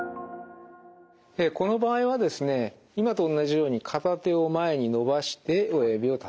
この場合はですね今と同じように片手を前に伸ばして親指を立てる。